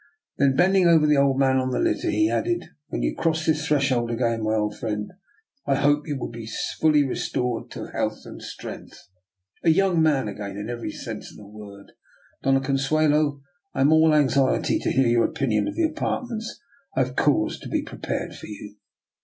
Then, bending over the old man on the litter, he added: "When you cross this threshold again, my old friend, I hope that you will be fully restored to health and strength — z young man again in every sense of the word. Dofia Conseulo, I am all anxiety to hear your opinion of the apartments I have caused to be prepared for you."